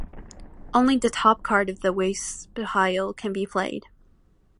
Only the top card of the waste pile can be played.